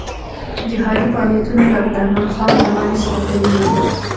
جهادي فعالیتونه د عبدالرحمن خان زمانې سره تړلي دي.